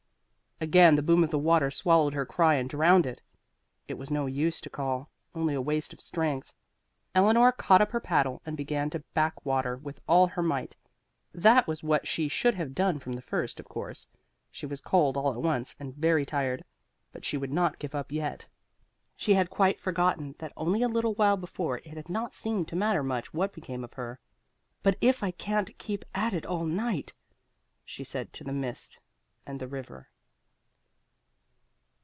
Again the boom of the water swallowed her cry and drowned it. It was no use to call, only a waste of strength. Eleanor caught up her paddle and began to back water with all her might. That was what she should have done from the first, of course. She was cold all at once and very tired, but she would not give up yet. She had quite forgotten that only a little while before it had not seemed to matter much what became of her. "But if I can't keep at it all night " she said to the mist and the river.